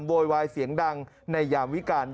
โวยวายเสียงดังในยามวิการ